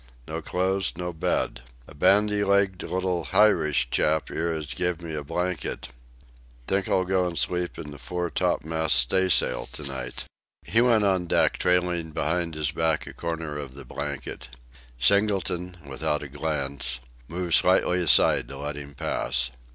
No clothes, no bed. A bandy legged little Hirish chap 'ere 'as give me a blanket. Think I'll go an' sleep in the fore topmast staysail to night." He went on deck trailing behind his back a corner of the blanket. Singleton, without a glance, moved slightly aside to let him pass.